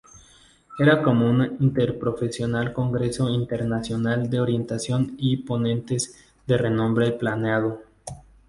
Era como un interprofesional Congreso internacional de Orientación y Ponentes de renombre planeado.